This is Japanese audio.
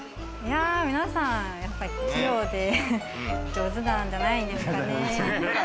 や、皆さん器用で、上手なんじゃないですかね？